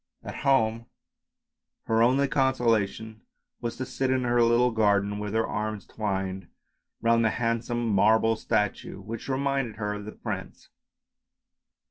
At home her only THE MERMAID 9 consolation was to sit in her little garden with her arms twined round the handsome marble statue which reminded her of the prince.